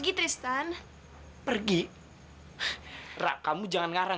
kalau kita teman teman dengan mata tuhan